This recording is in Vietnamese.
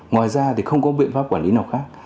ngoài ra thì không có biện pháp quản lý nào khác